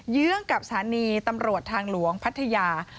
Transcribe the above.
เยื้องกับสถานีตำรวจทางหลวงพัทยา